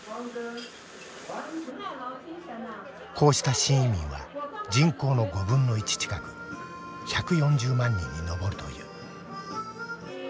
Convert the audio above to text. こうした新移民は人口の５分の１近く１４０万人に上るという。